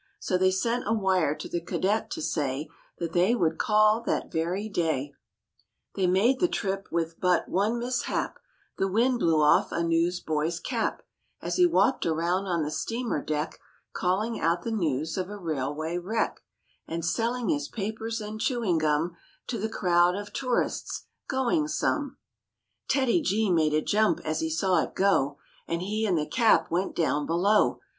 So they sent a wire to the cadet to say That they would call that very day. THE BEARS VISIT WEST POINT 47 48 MORE ABOUT THE ROOSEVELT BEARS They made the trip with but one mishap: The wind blew off a newsboy's cap As he walked around on the steamer deck Calling out the news of a railway wreck And selling his papers and chewing gum To the crowd of tourists " going some." TEDDY G made a jump as he saw it g ° And he and the cap went down below.